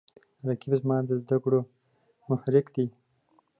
رقیب زما د زده کړو محرک دی